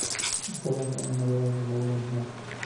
Está basada en la novela de Laura Norton.